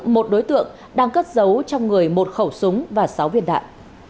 một đối tượng đang cất giấu trong người một khẩu súng và sáu viên đạn